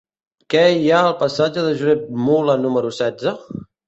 Què hi ha al passatge de Josep Mula número setze?